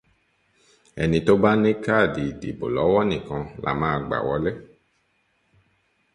Ẹni tó bá ní káàdì ìdìbò lọ́wọ́ nìkan la máa gbà wọlé